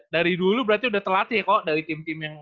dari dulu berarti udah terlatih ya kok dari tim tim yang